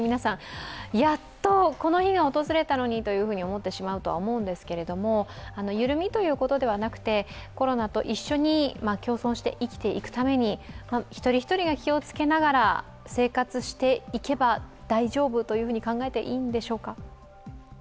やっとこの日が訪れたのにと思ってしまうと思いますけど緩みということではなくて、コロナと一緒に共存して生きていくために一人一人が気をつけながら生活していけば大丈夫と考えていいんでしょうか？